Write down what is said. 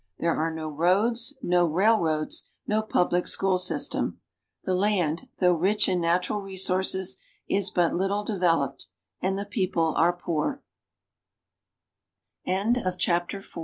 There are no roads, no railroads, no public school system. The land, though rich in natural resources, is but little developed, and the people ar